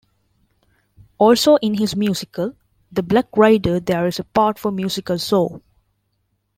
Also in his musical The Black Rider there is a part for musical saw.